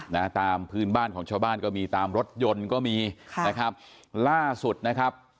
นะตามพื้นบ้านของชาวบ้านก็มีตามรถยนต์ก็มีค่ะนะครับล่าสุดนะครับ